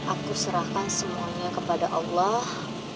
aku serahkan semuanya kepada allah